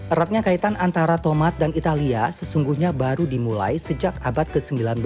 eratnya kaitan antara tomat dan italia sesungguhnya baru dimulai sejak abad ke sembilan belas